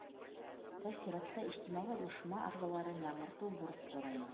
Тәү сиратта ижтимағи ойошма ағзаларын яңыртыу бурысы тора ине.